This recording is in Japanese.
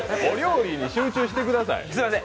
お料理に集中してください。